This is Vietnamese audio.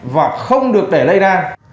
và không được để lây lan